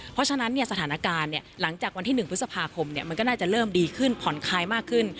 เพราะฉะนั้นสถานการณ์หลังจากวันที่๑พฤษภาคมมันก็น่าจะเริ่มดีขึ้นผ่อนคลายมากขึ้น